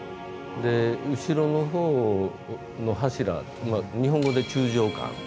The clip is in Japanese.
で後ろのほうの柱は日本語で柱状棺。